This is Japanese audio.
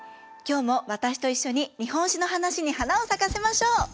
今日も私と一緒に日本史の話に花を咲かせましょう。